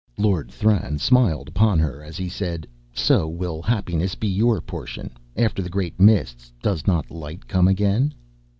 "Lord Thran smiled upon her as he said: 'So will happiness be your portion. After the Great Mists, does not light come again?'